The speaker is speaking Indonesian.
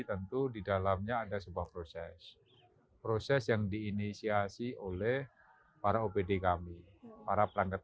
tentu di dalamnya ada sebuah proses proses yang diinisiasi oleh para opd kami para pelanggar